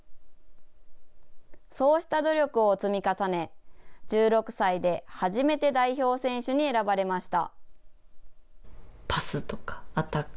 そうした努力を積み重ね、１６歳で初めて代表選手に選ばれました。